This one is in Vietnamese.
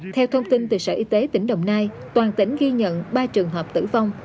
theo thông tin từ sở y tế tỉnh đồng nai toàn tỉnh ghi nhận ba trường hợp tử vong